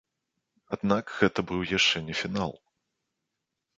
Аднак гэта быў яшчэ не фінал.